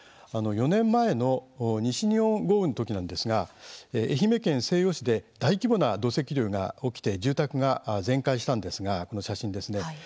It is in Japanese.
４年前の西日本豪雨のときですが愛媛県西予市で大規模な土石流が起きて住宅が全壊したんですがこの写真ですね。